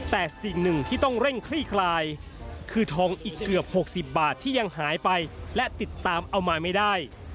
แต่สิ่งหนึ่งที่ต้องเร่งคลี่คลายคือทองอีกเกือบ๖๐บาทที่ยังหายไปและติดตามเอามาไม่ได้